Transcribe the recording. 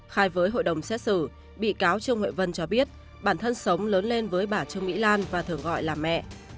khai với hội đồng xét xử bị cáo trương huệ vân cho biết bản thân sống lớn lên với bà trương mỹ lan và thường gọi là mẹ